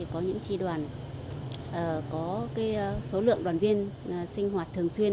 có những tri đoàn có số lượng đoàn viên sinh hoạt thường xuyên